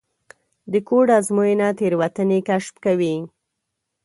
د کوډ ازموینه تېروتنې کشف کوي.